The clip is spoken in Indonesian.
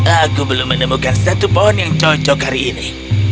aku belum menemukan satu pohon yang cocok hari ini